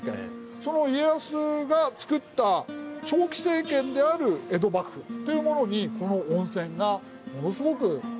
その家康が作った長期政権である江戸幕府というものにこの温泉がものすごく関係してるんですよ。